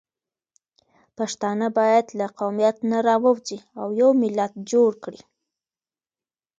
پښتانه باید له قومیت نه راووځي او یو ملت جوړ کړي